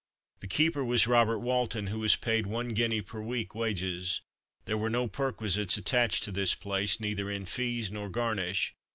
The keeper was Robert Walton, who was paid one guinea per week wages. There were no perquisites attached to this place, neither in "fees" nor "garnish."